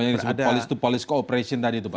yang disebut polis to police cooperation tadi itu pak